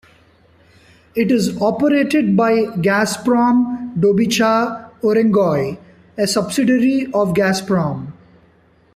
It is operated by Gazprom dobycha Urengoy, a subsidiary of Gazprom.